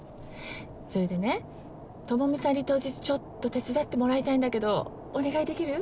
それでね朋美さんに当日ちょっと手伝ってもらいたいんだけどお願いできる？